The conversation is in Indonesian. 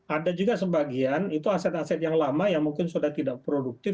ada juga sebagian itu aset aset yang lama yang mungkin sudah tidak produktif